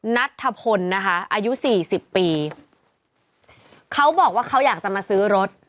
นัททะพลนะคะอายุ๔๐ปีเค้าบอกว่าเค้าอยากจะมาซื้อรถ